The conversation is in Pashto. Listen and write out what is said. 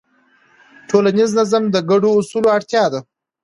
ټولنیز نظم د ګډو اصولو اړتیا لري.